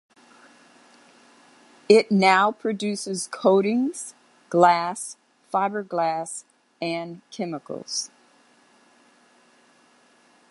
It now produces coatings, glass, fiberglass, and chemicals.